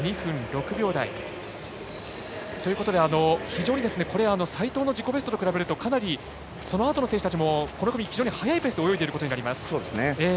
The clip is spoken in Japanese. ということで、非常に齋藤の自己ベストと比べるとかなりそのあとの選手たちもこの組は非常に速いペースで泳いでいることになります。